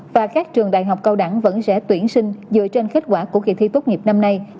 và các trường đại học cao đẳng vẫn sẽ tuyển sinh dựa trên kết quả của kỳ thi tốt nghiệp năm nay